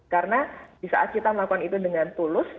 karena di saat kita melakukan itu dengan tulus